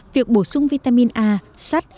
việc bổ sung vitamin a sắt